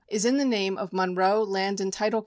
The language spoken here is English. is in the name of Monroe Land & Title Co.